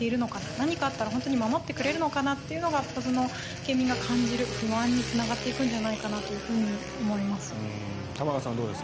何かあったら守ってくれるのかなという県民が感じる不安につながっていくんじゃないかなと思います。